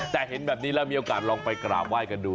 แต่เห็นแบบนี้แล้วมีโอกาสลองไปกราบไห้กันดู